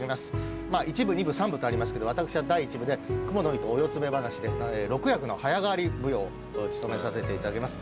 まぁ１部２部３部とありますけど私は第１部で『蜘蛛の絲宿直噺』で６役の早代わり舞踊を務めさせていただきます